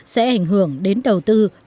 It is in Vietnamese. sẽ ảnh hưởng đến đầu tư